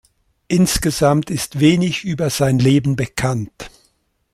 Insgesamt ist wenig über sein Leben bekannt.